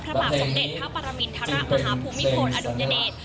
พระบาทสมเด็จพระปรมินทรมาฮภูมิพลอดุลยเดช